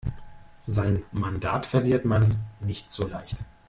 Sein Mandat verliert man nicht so leicht.